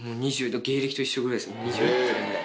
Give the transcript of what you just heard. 芸歴と一緒ぐらいです、２８年くらい。